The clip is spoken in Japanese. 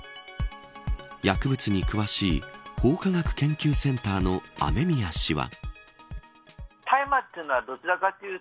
薬物に詳しい法科学研究センターの雨宮氏は。